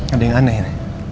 ada yang aneh nih